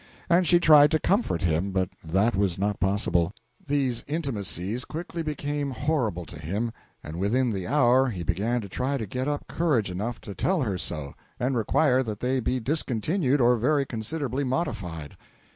And she tried to comfort him, but that was not possible. These intimacies quickly became horrible to him, and within the hour he began to try to get up courage enough to tell her so, and require that they be discontinued or very considerably modified.